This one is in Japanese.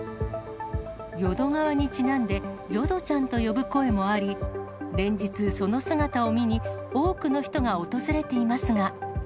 淀川にちなんで、よどちゃんと呼ぶ声もあり、連日、その姿を見に多くの人が訪れていますが。